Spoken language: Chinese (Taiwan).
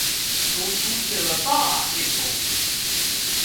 都出現了大變動